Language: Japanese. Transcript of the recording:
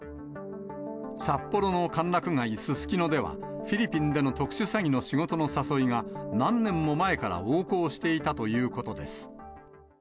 札幌の歓楽街、すすきのでは、フィリピンでの特殊詐欺の仕事の誘いが、何年も前から横行していたということです。